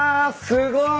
すごい。